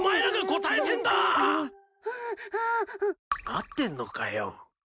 合ってんのかよ。